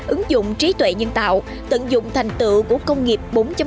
ứng dụng trí tuệ nhân tạo tận dụng thành tựu của công nghiệp bốn